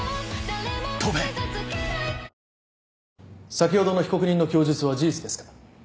先ほどの被告人の供述は事実ですか。